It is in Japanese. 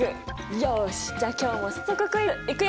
よしじゃあ今日も早速クイズいくよ！